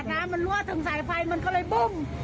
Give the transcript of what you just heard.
น้ำมันรั่วถึงสายไฟมันก็เลยบุ้ม